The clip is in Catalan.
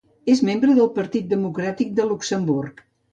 És membre del Partit Democràtic de Luxemburg.